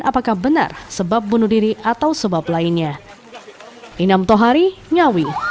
apakah benar sebab bunuh diri atau sebab lainnya